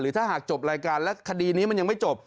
ถ้าหากจบรายการและคดีนี้มันยังไม่จบ